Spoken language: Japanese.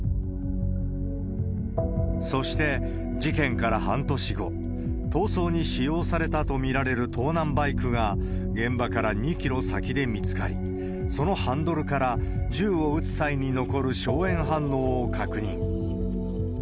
そして、事件から半年後、逃走に使用されたと見られる盗難バイクが現場から２キロ先で見つかり、そのハンドルから銃を撃つ際に残る硝煙反応を確認。